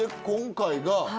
今回が。